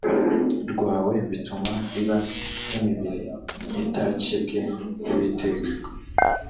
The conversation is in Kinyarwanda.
rwawe bituma iba nk imibiri itakebwe uwiteka